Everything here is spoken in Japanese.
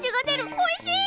おいしい！